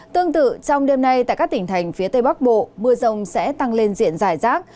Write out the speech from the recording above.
tương tự trong đêm nay tại các tỉnh thành phía tây bắc bộ mưa rông sẽ tăng lên diện giải rác